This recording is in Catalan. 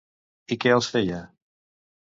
I què els feia?